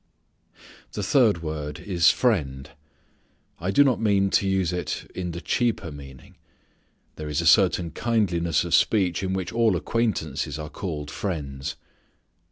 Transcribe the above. The third word is friend. I do not mean to use it in the cheaper meaning. There is a certain kindliness of speech in which all acquaintances are called friends.